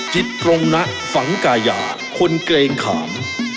จิตตรงนะฝังกายาคนเกรงขาม